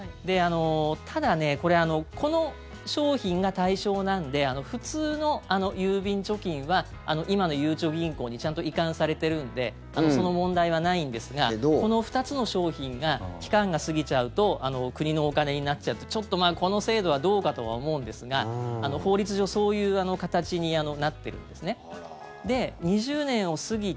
ただ、これこの商品が対象なので普通の郵便貯金は今のゆうちょ銀行にちゃんと移管されてるのでその問題はないんですがこの２つの商品が期間が過ぎちゃうと国のお金になっちゃってちょっとこの制度はどうかとは思うんですが法律上そういう形になってるんですね。